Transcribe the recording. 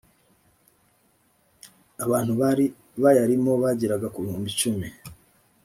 abantu bari bayarimo bageraga ku bihumbi icumi